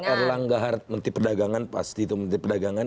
kalau erlanggahar menteri perdagangan pasti itu menteri perdagangan